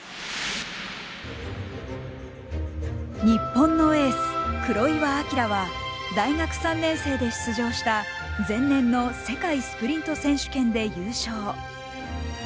日本のエース黒岩彰は大学３年生で出場した前年の世界スプリント選手権で優勝。